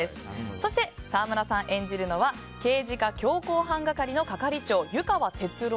そして沢村さん演じるのは刑事課凶行犯係の係長・湯川哲郎。